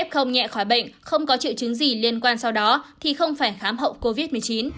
không nhẹ khỏi bệnh không có triệu chứng gì liên quan sau đó thì không phải khám hậu covid một mươi chín